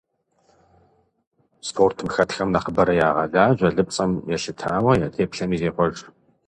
Спортым хэтхэм нэхъыбэрэ ягъэлажьэ лыпцӏэм елъытауэ я теплъэми зехъуэж.